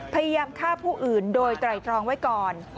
พยายามฆ่าผู้อื่นโดยไตรตรองไว้ก่อน